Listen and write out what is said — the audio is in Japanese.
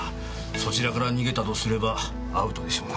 そちらから逃げたとすればアウトでしょうな。